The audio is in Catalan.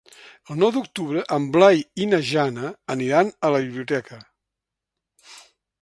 El nou d'octubre en Blai i na Jana aniran a la biblioteca.